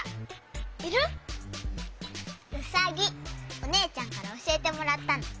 おねえちゃんからおしえてもらったの。